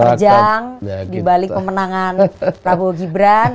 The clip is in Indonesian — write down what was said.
sepak terjang di balik pemenangan prabowo gibran